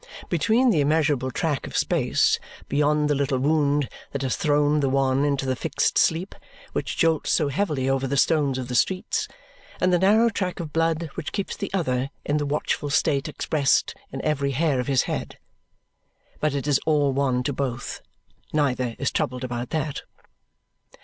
Between the immeasurable track of space beyond the little wound that has thrown the one into the fixed sleep which jolts so heavily over the stones of the streets, and the narrow track of blood which keeps the other in the watchful state expressed in every hair of his head! But it is all one to both; neither is troubled about that.